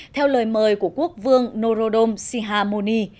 theo lời mời của quốc vương norodom sihamoni